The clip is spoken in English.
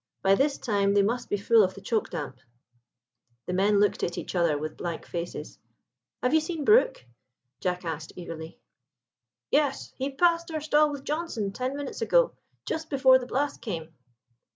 By this time they must be full of the choke damp." The men looked at each other with blank faces. "Have you seen Brook?" Jack asked eagerly. "Yes, he passed our stall with Johnstone ten minutes ago, just before the blast came."